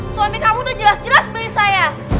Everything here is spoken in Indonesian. suami kamu udah jelas jelas beli saya